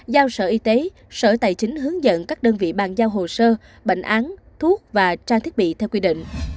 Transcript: giao sở y tế sở tài chính hướng dẫn các đơn vị bàn giao hồ sơ bệnh án thuốc và trang thiết bị theo quy định